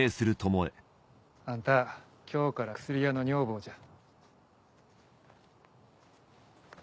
あんた今日から薬屋の女房じゃ。